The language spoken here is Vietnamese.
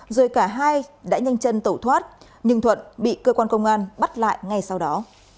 rồi cả hai đã nhanh chân tẩu thoát nhưng thuận bị cơ quan công an bắt lại ngay sau đó